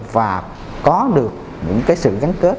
và có được những cái sự gắn kết